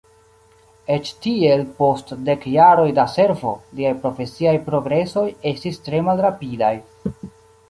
Eĉ tiel, post dek jaroj da servo, liaj profesiaj progresoj estis tre malrapidaj.